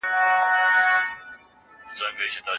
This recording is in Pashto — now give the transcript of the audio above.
د جرګي په ویناګانو کي به د یووالي پیغامونه نغښتي وو.